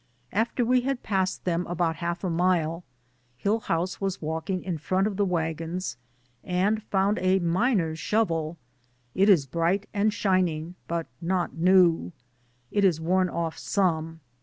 After we had passed them about half a mile, Hillhouse was walk ing in front of the wagons, and found a min er's shovel. It is bright and shining, but not new. It is worn off some.